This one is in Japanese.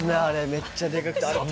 めっちゃでかくて。